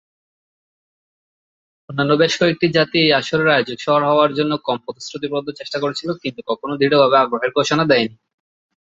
অন্যান্য বেশ কয়েকটি জাতি এই আসরের আয়োজক শহর হওয়ার জন্য কম প্রতিশ্রুতিবদ্ধ প্রচেষ্টা করেছিল, কিন্তু কখনও দৃঢ়ভাবে আগ্রহের ঘোষণা দেয়নি।